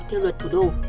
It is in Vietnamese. theo luật thủ đô